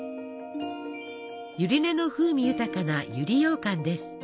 ゆり根の風味豊かな百合ようかんです。